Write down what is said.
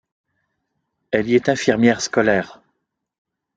Elle y est infirmière scolaire.